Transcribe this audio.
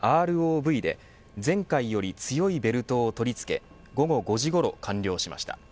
ＲＯＶで前回より強いベルトを取り付け午後５時ごろ完了しました。